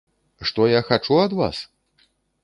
Што я хачу ад вас?